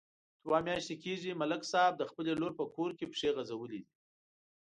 دوه میاشتې کېږي، ملک صاحب د خپلې لور په کور کې پښې غځولې دي.